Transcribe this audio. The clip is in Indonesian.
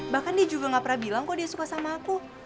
bahkan dia juga gak pernah bilang kok dia suka sama aku